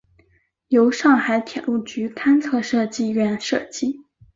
由上海铁路局勘测设计院设计。